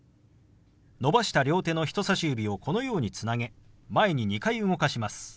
伸ばした両手の人さし指をこのようにつなげ前に２回動かします。